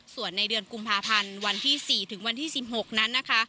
ส่วนในเดือนกุมภาพันธ์วันที่๔ระเบียบ๑๒๑๖